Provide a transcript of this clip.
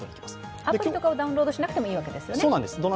アプリとかをダウンロードしなくてもいいんですよね。